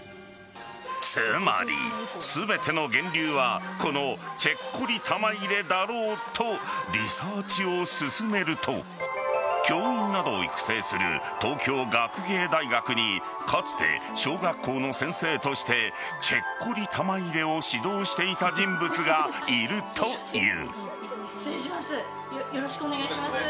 つまり、全ての源流はこのチェッコリ玉入れだろうとリサーチを進めると教員などを育成する東京学芸大学にかつて小学校の先生としてチェッコリ玉入れを指導していた人物がいるという。